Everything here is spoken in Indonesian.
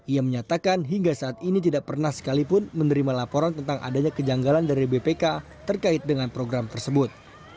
ia menyatakan hingga saat ini tidak pernah sekalipun menerima laporan tentang adanya kejanggalan dari bpk terkait dengan program tersebut